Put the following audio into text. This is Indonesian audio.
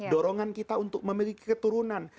dorongan kita untuk memiliki keturunan